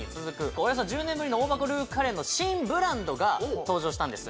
およそ１０年ぶりの大箱ルーカレーの新ブランドが登場したんです